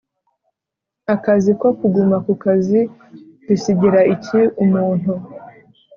akazi ko Kuguma ku kazi bisigira iki umuntu